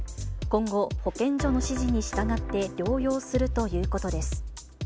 今後、保健所の指示に従って、療養するということです。